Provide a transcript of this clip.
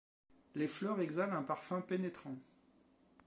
Les fleurs exhalent un parfum pénétrant.